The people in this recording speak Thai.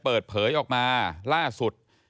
เปิดเผยออกมาล่าสุด